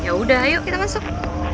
yaudah yuk kita masuk